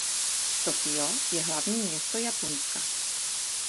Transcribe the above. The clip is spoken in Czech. Tokio je hlavní město Japonska.